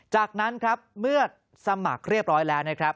จากนั้นครับเมื่อสมัครเรียบร้อยแล้วนะครับ